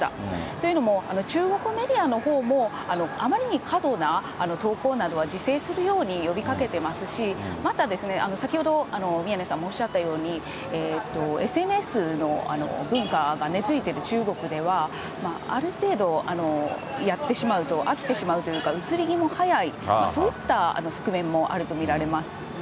というのも、中国メディアのほうも、あまりに過度な投稿などは自制するように呼びかけてますし、また、先ほど宮根さんもおっしゃったように、ＳＮＳの文化が根づいてる中国では、ある程度、やってしまうと、飽きてしまうというか、移り気も早い、そういった側面もあると見られます。